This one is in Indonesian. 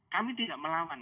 kami tidak melawan